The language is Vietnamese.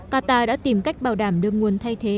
qatar đã tìm cách bảo đảm được nguồn thay thế